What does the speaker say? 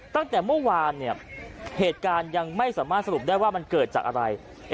ตั้งแต่เมื่อวานเนี่ยเหตุการณ์ยังไม่สามารถสรุปได้ว่ามันเกิดจากอะไร